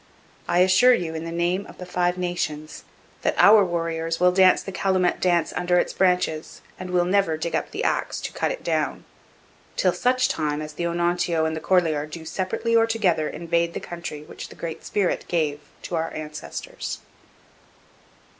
I assure you, in the name of the five nations, that our warriors will dance the calumet dance under its branches and will never dig up the axe to cut it down till such time as the Onontio and the Corlaer do separately or together invade the country which the Great Spirit gave to our ancestors.'